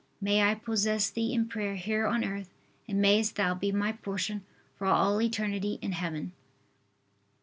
May I possess Thee in prayer here on earth and mayest Thou be my portion for all eternity in Heaven.